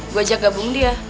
gua ajak gabung dia